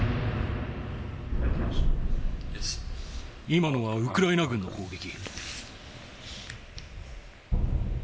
今のはウクライナ軍の砲撃。